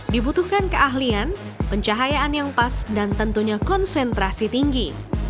dibutuhkan keahlian pencahayaan yang pas dan tentunya konsentrasi tinggi